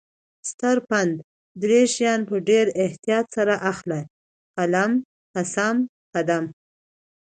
ستر پند: دری شیان په ډیر احتیاط سره اخله: قلم ، قسم، قدم